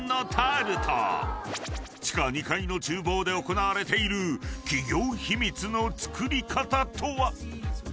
［地下２階の厨房で行われている企業秘密の作り方とは？］